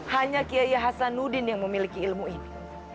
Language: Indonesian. hanya kiai hasanuddin yang memiliki ilmu ini